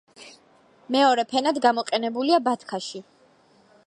მეორე ფენად გამოყენებულია ბათქაში.